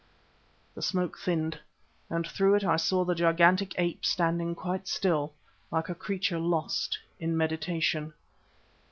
The smoke thinned, and through it I saw the gigantic ape standing quite still, like a creature lost in meditation.